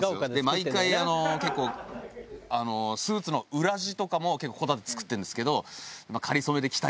毎回結構スーツの裏地とかも結構こだわって作ってるんですけど。